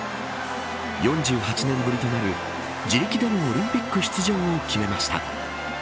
４８年ぶりとなる自力でのオリンピック出場を決めました。